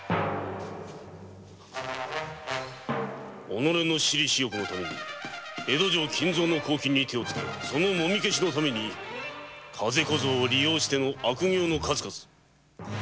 己の私利私欲のために江戸城金蔵の公金に手をつけそのもみけしのために風小僧を利用した悪行の数々許さぬ！